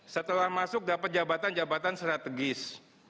setelah masuk dapat jabatan jabatan strategis